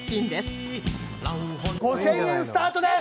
５０００円スタートです！